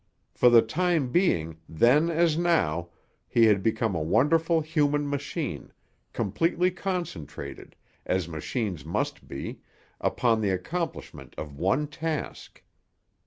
For the time being, then as now, he had become a wonderful human machine, completely concentrated, as machines must be, upon the accomplishment of one task.